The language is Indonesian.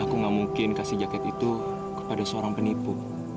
aku gak mungkin kasih jaket itu kepada seorang penipu